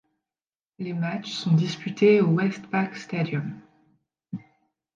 Les matchs sont disputés au Westpac Stadium.